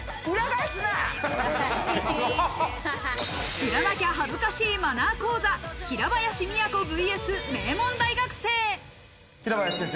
知らなきゃ恥ずかしいマナー講座、平林都ｖｓ名門大学生。